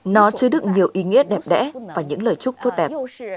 nó chứa đựng nhiều ý nghĩa đẹp đẽ và những lời chúc tốt đẹp